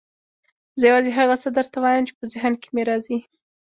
زه یوازې هغه څه درته وایم چې په ذهن کې مې راځي.